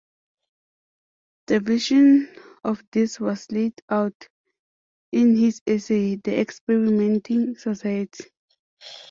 The vision of this was laid out in his essay, "The Experimenting Society".